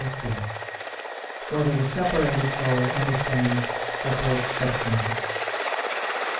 2] Whether the Separated Soul Understands Separate Substances?